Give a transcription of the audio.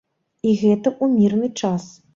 І гэта ў мірны час!